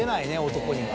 男には。